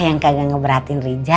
yang kagak ngeberatin riza